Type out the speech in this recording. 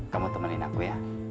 kamu temenin aku ya